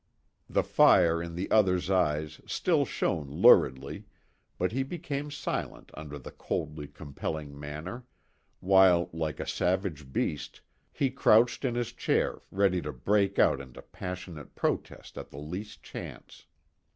The fire in the other's eyes still shone luridly, but he became silent under the coldly compelling manner, while, like a savage beast, he crouched in his chair ready to break out into passionate protest at the least chance.